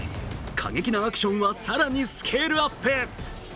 過激なアクションは更にスケールアップ。